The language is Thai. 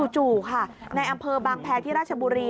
จู่ค่ะในอำเภอบางแพรที่ราชบุรี